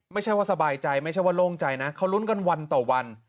ไม่ใช่ว่าสบายใจไม่ใช่ว่าโล่งใจนะเขาลุ้นกันวันต่อวัน